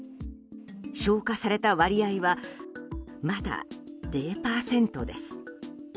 消火された割合はまだ０％です。